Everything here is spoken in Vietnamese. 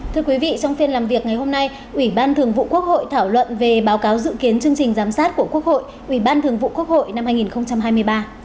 thưa quý vị trong phiên làm việc ngày hôm nay ủy ban thường vụ quốc hội thảo luận về báo cáo dự kiến chương trình giám sát của quốc hội ủy ban thường vụ quốc hội năm hai nghìn hai mươi ba